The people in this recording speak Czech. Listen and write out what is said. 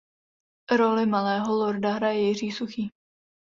Roli Malého lorda hraje Jiří Suchý.